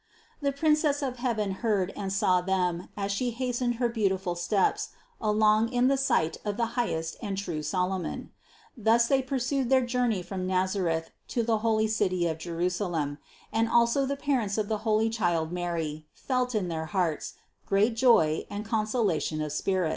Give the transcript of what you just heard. The Princess of heaven heard and saw them as She hastened her beauti ful steps along in the sight of the highest and the true Solomon. Thus they pursued their journey from Naz areth to the holy city of Jerusalem, and also the parents of the holy child Mary felt in their hearts great joy and consolation of spirit.